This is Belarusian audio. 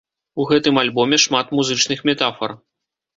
У гэтым альбоме шмат музычных метафар.